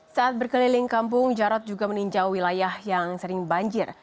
saat berkeliling kampung jarod juga meninjau wilayah yang sering banjir